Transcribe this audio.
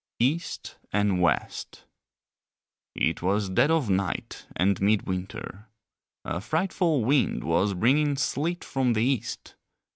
EAST AND WEST It was dead of night and midwinter. A frightful wind was bringing sleet from the East.